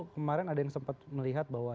kemarin ada yang sempat melihat bahwa